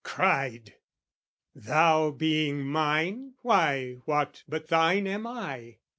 Cried "Thou being mine, why, what but thine am I?